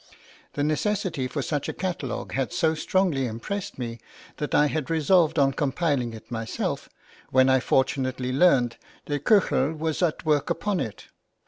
The necessity for such a catalogue had so strongly impressed me that I had resolved on compiling it myself, when I fortunately learned that Köchel was at work upon it.